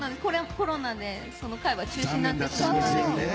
コロナでその回は中止になってしまったんですけれども。